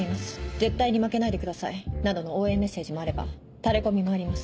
「絶対に負けないでください」などの応援メッセージもあればタレコミもあります。